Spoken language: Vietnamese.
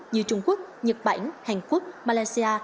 như trung quốc nhật bản hàn quốc malaysia